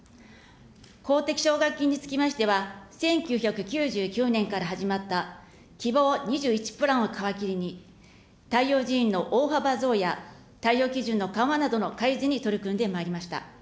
公的奨学金につきましては、１９９９年から始まった、きぼう２１プランを皮切りに、対応人員の大幅増や対応基準の緩和などの改善に取り組んでまいりました。